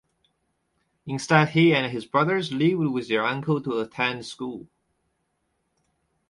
Instead he and his brothers lived with their uncle to attend school.